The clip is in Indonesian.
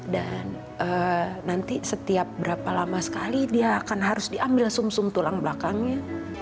dan nanti setiap berapa lama sekali dia akan harus diambil sum sum tulang belakangnya